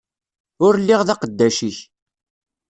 Ur lliɣ d aqeddac-ik.